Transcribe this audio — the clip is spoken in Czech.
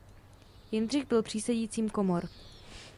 Jindřich byl přísedícím komor.